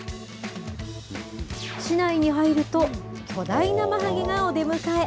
市内に入ると、巨大なまはげがお出迎え。